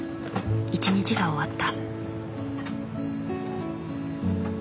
一日が終わった。